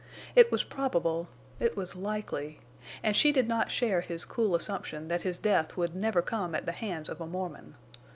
It was probable—it was likely. And she did not share his cool assumption that his death would never come at the hands of a Mormon.